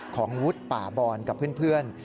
ของวุฒิป่าบอนกับเพื่อน